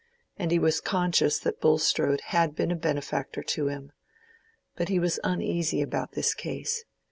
And he was conscious that Bulstrode had been a benefactor to him. But he was uneasy about this case.